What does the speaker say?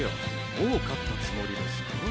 もう勝ったつもりですか？